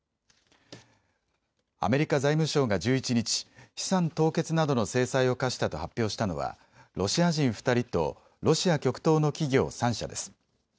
アメリカ財務省が１１日、資産凍結などの制裁を科したと発表したのはロシア人２人とロシア極東の企業３社です。